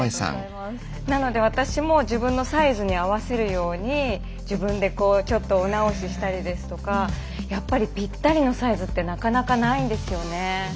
なので私も自分のサイズに合わせるように自分でちょっとお直ししたりですとかやっぱりぴったりのサイズってなかなかないんですよね。